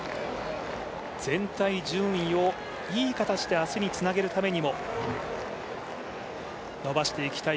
全体順位をいい形で明日につなげるためにも、伸ばしていきたい